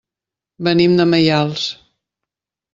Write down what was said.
Venim de Maials.